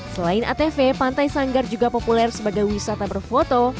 selain atv pantai sanggar juga populer sebagai wisata berfoto